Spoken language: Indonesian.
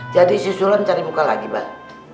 jadi sisulun cari muka lagi bang